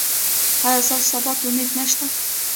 ایا ستاسو سبا ته امید نشته؟